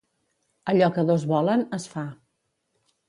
Allò que dos volen, es fa.